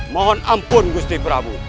mohon ampun kusi prabu